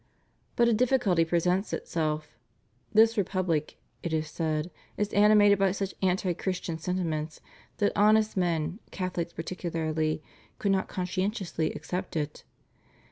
But a difficulty presents itself. "This Republic," it is said, "is animated by such anti Christian sentiments that honest men, Catholics particularly, could not con scientiously accept it."